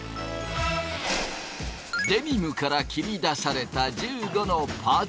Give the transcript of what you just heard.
デニムから切り出された１５のパーツ。